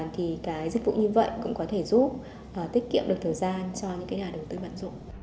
thì cái dịch vụ như vậy cũng có thể giúp tiết kiệm được thời gian cho những nhà đầu tư bản dụng